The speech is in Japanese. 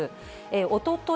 おととい